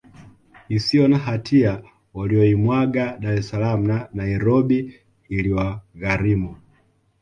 isiyo na hatia waliyoimwaga Dar es Salaam na Nairobi iliwagharimu